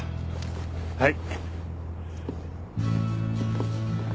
はい